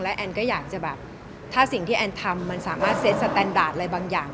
แอนก็อยากจะแบบถ้าสิ่งที่แอนทำมันสามารถเซ็ตสแตนดาร์ดอะไรบางอย่าง